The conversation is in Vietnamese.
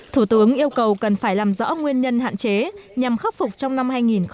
thủ tướng yêu cầu cần phải làm rõ nguyên nhân hạn chế nhằm khắc phục trong năm hai nghìn hai mươi